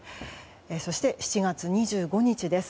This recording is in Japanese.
そして、７月２５日です。